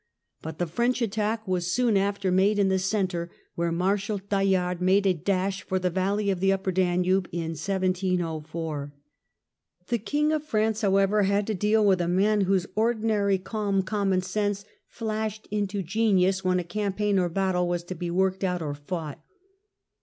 But the French attack was soon after made in the centre, where Marshal Tallard made a dash for the valley of the Upper Danube in 1704. The King of France, however, had to deal with a man whose ordinary calm commonsense flashed into genius when a campaign or a battle was to be worked guttle of out or fought.